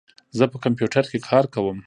زه په کمپیوټر کې کار کوم.